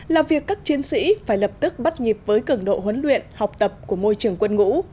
là việc các chiến sĩ phải lập tức bắt nhịp với cường độ huấn luyện học tập của môi trường quân ngũ